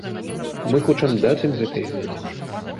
Мы хочам даць ім гэтыя веды.